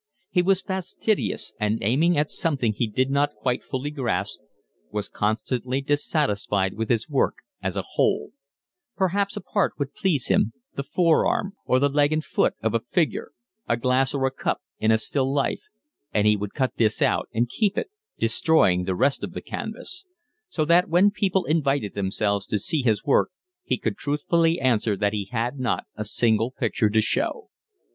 He was fastidious, and, aiming at something he did not quite fully grasp, was constantly dissatisfied with his work as a whole: perhaps a part would please him, the forearm or the leg and foot of a figure, a glass or a cup in a still life; and he would cut this out and keep it, destroying the rest of the canvas; so that when people invited themselves to see his work he could truthfully answer that he had not a single picture to show.